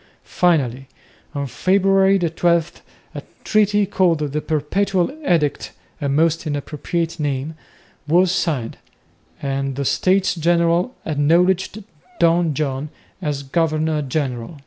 Finally, on February 12, a treaty called "The Perpetual Edict," a most inappropriate name, was signed, and the States General acknowledged Don John as governor general.